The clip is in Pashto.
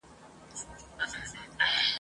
بیا به زه، بیا به ګودر وي، بیا دښتونه مستومه ..